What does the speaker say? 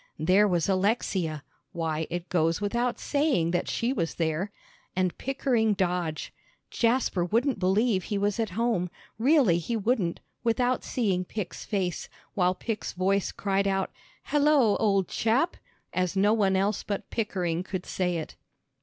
There was Alexia why, it goes without saying that she was there and Pickering Dodge; Jasper wouldn't believe he was at home, really he wouldn't, without seeing Pick's face, while Pick's voice cried out, "Hello, old chap!" as no one else but Pickering could say it.